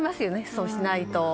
そうしないと。